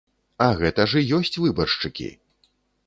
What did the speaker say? А гэта ж і ёсць выбаршчыкі!